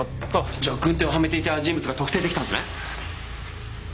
じゃあ軍手をはめていた人物が特定できたんですね？